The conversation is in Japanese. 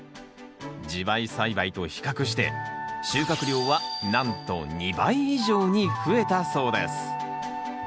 地這い栽培と比較して収穫量はなんと２倍以上に増えたそうです